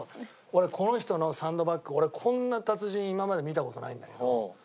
俺この人のサンドバッグ俺こんな達人今まで見た事ないんだけど。